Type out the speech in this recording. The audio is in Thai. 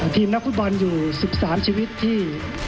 ทีมนักฟุตบอลอยู่๑๓ชีวิตที่